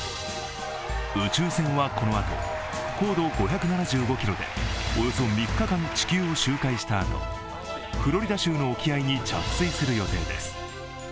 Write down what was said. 宇宙船はこのあと高度５７５ｋｍでおよそ３日間、地球を周回したあとフロリダ州の沖合に着水する予定です。